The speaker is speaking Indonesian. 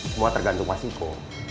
semua tergantung mas iko